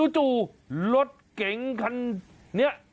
จู่รถเก๋งคันนี้